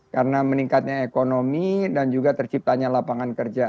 karena meningkatnya ekonomi dan juga terciptanya lapangan kerja